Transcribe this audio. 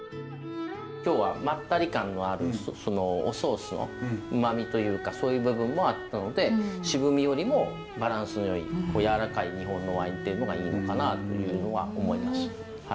今日はまったり感のあるおソースの旨みというかそういう部分もあったので渋みよりもバランスのよいやわらかい日本のワインっていうのがいいのかなというのは思います。